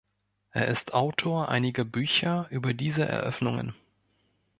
Er ist Autor einiger Bücher über diese Eröffnungen.